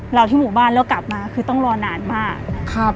เราที่หมู่บ้านแล้วกลับมาคือต้องรอนานมาก